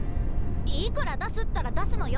いくら出すったら出すのよ！